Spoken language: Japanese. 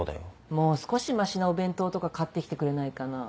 もう少しマシなお弁当とか買ってきてくれないかな。